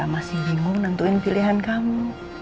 masih bingung nentuin pilihan kamu